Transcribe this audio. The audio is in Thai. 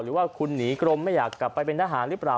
หรือว่าคุณหนีกรมไม่อยากกลับไปเป็นทหารหรือเปล่า